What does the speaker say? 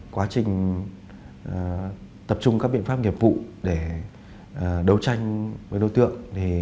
quá trình tập trung các biện pháp nghiệp vụ để đấu tranh với đối tượng